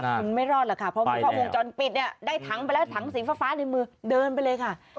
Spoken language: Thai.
คุณไม่รอดหรอกค่ะเพราะว่ากล้องวงจรปิดเนี่ยได้ถังไปแล้วถังสีฟ้าในมือเดินไปเลยค่ะ